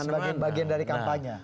bagi bagian dari kampanye